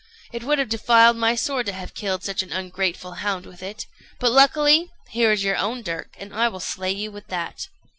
It would have defiled my sword to have killed such an ungrateful hound with it; but luckily here is your own dirk, and I will slay you with that."